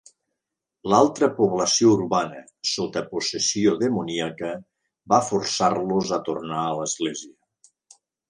L'altra població urbana, sota possessió demoníaca, va forçar-los a tornar a l'església.